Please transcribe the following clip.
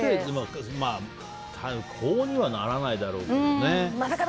まあ、こうにはならないだろうけどね。